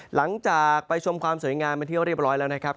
หลังจากไปชมความสวยงามเป็นที่เรียบร้อยแล้วนะครับ